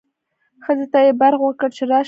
ښځې ته یې برغ وکړ چې راشه.